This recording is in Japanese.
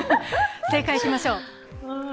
正解しましょう。